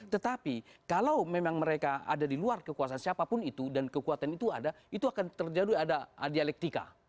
tetapi kalau memang mereka ada di luar kekuasaan siapapun itu dan kekuatan itu ada itu akan terjadi ada dialektika